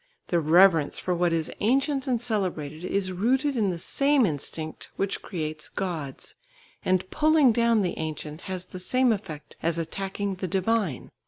The reverence for what is ancient and celebrated is rooted in the same instinct which creates gods; and pulling down the ancient has the same effect as attacking the divine.